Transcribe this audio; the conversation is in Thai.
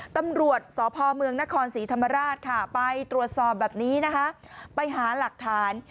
ตำรวจสพเมืองนครศรีธรรมราชค่ะไปตรวจสอบแบบนี้นะคะไปหาหลักฐาน